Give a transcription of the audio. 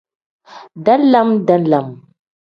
Dalam-dalam.